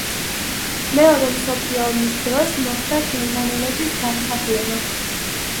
მეორე მსოფლიო ომის დროს მოხდა გერმანელების გასახლება.